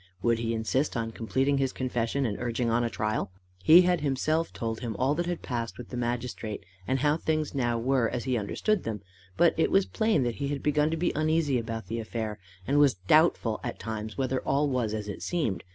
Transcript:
Would he insist on completing his confession, and urging on a trial? He had himself told him all that had passed with the magistrate, and how things now were as he understood them, but it was plain that he had begun to be uneasy about the affair, and was doubtful at times whether all was as it seemed.